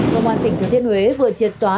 công an tỉnh thứ thiên huế vừa triệt xóa